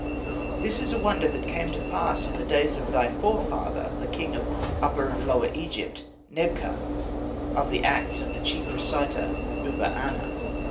"This is a wonder that came to pass in the days of thy forefather the king of Upper and Lower Egypt, Nebka, of the acts of the chief reciter Uba aner."